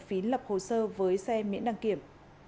phí lập hồ sơ với xe miễn đăng kiểm